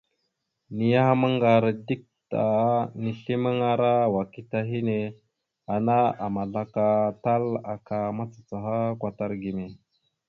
Niyaham ŋgar dik ta, nislimaŋara wakita hinne, ana àmazlaka tal aka macacaha kwatar gime.